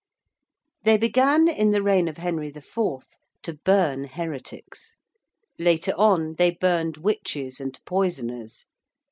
They began in the reign of Henry IV. to burn heretics. Later on they burned witches and poisoners.